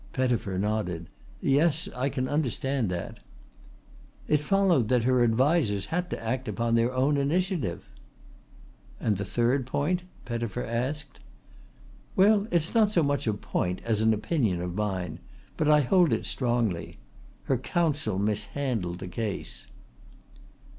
Pettifer nodded. "Yes, I can understand that." "It followed that her advisers had to act upon their own initiative." "And the third point?" Pettifer asked. "Well, it's not so much a point as an opinion of mine. But I hold it strongly. Her counsel mishandled the case."